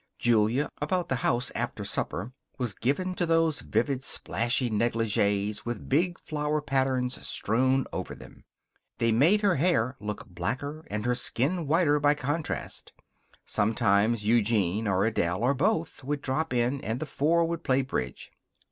Julia, about the house after supper, was given to those vivid splashy negligees with big flower patterns strewn over them. They made her hair look blacker and her skin whiter by contrast. Sometimes Eugene or Adele or both would drop in and the four would play bridge.